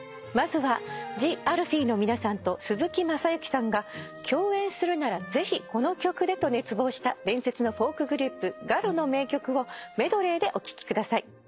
まずはＴＨＥＡＬＦＥＥの皆さんと鈴木雅之さんが共演するならぜひこの曲でと熱望した伝説のフォークグループガロの名曲をメドレーでお聴きください。